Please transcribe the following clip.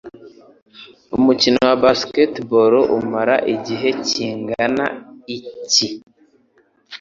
Umukino wa basketball umara igihe kingana iki?